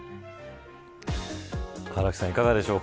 唐木さんいかがでしょう